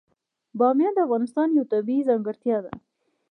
بامیان د افغانستان یوه طبیعي ځانګړتیا ده.